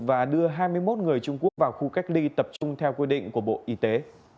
và đưa hai mươi một người trung quốc vào khu cách ly tập trung theo quy định của bộ y tế